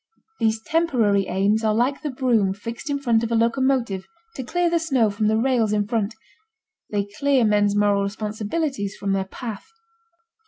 These temporary aims are like the broom fixed in front of a locomotive to clear the snow from the rails in front: they clear men's moral responsibilities from their path.